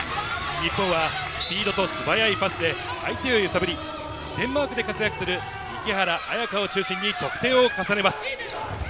日本はスピードと素早いパスで相手を揺さぶり、デンマークで活躍する池原綾香を中心に得点を重ねます。